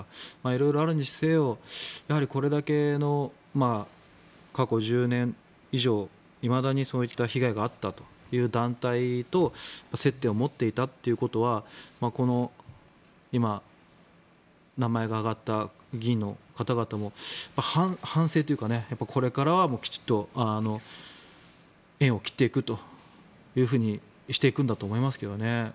色々あるにせよやはりこれだけの過去１０年以上いまだにそういった被害があったという団体と接点を持っていたということは今、名前が挙がった議員の方々も反省というかこれからはきちんと縁を切っていくというふうにしていくんだと思いますけどね。